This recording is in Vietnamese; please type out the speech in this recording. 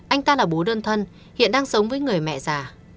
anh ta là bố đơn thân hiện đang sống với người mẹ già